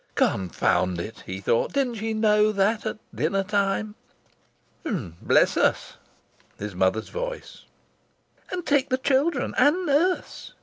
"Confound it!" he thought. "Didn't she know that at dinner time?" "Bless us!" His mother's voice. "And take the children and nurse!"